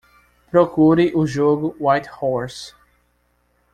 Procure o jogo Whitehorse